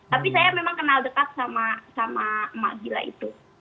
tapi saya memang kenal dekat sama emak gila itu